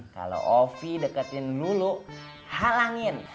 kalau ovi deketin lulu halangin